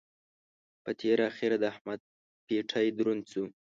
په تېره اخېر د احمد پېټی دروند شو.